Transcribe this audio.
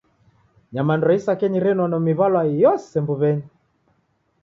Nyamandu ra isakenyi renona miw'alwa yose mbuw'enyi.